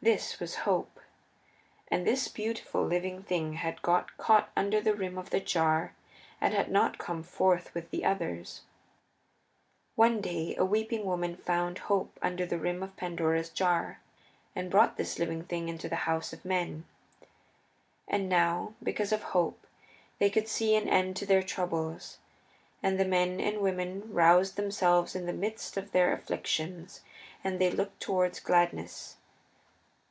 This was Hope. And this beautiful, living thing had got caught under the rim of the jar and had not come forth with the others. One day a weeping woman found Hope under the rim of Pandora's jar and brought this living thing into the house of men. And now because of Hope they could see an end to their troubles. And the men and women roused themselves in the midst of their afflictions and they looked toward gladness.